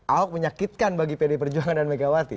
ahok menyakitkan bagi pd perjuangan dan megawati